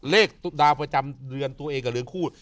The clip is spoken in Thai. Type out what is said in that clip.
ดาวประจำเดือนตัวเองกับเรือนคู่